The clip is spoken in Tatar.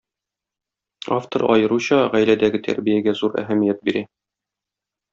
Автор аеруча гаиләдәге тәрбиягә зур әһәмият бирә.